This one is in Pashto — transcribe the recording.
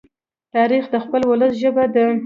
تاریخ د خپل ولس ژبه ده.